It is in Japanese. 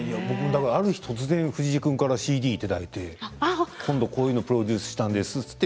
ある日突然、藤井君からＣＤをいただいてプロデュースしたんですって。